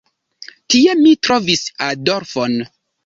Tie mi trovis Adolfon.